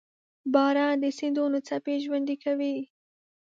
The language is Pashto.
• باران د سیندونو څپې ژوندۍ کوي.